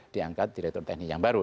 diangkat direktur teknik yang baru